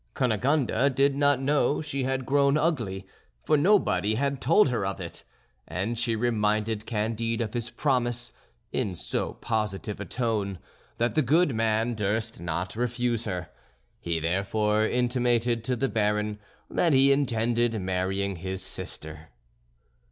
Cunegonde did not know she had grown ugly, for nobody had told her of it; and she reminded Candide of his promise in so positive a tone that the good man durst not refuse her. He therefore intimated to the Baron that he intended marrying his sister.